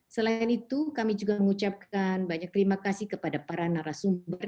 selain itu kami juga mengucapkan banyak terima kasih kepada para narasumber